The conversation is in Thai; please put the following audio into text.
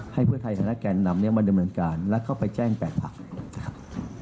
ให้พฤทธัยธนาคารแนะนำมาดำเนินการแล้วเข้าไปแจ้งแปดพักร่วมนะครับ